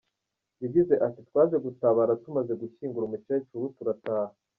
Yagize ati “Twaje gutabara, tumaze gushyingura umukecuru, turataha.